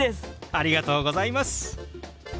ありがとうございます。